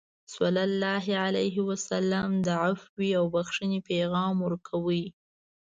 رسول الله صلى الله عليه وسلم د عفوې او بخښنې پیغام ورکوه.